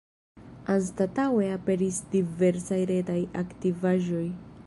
Anstataŭe aperis diversaj retaj aktivaĵoj.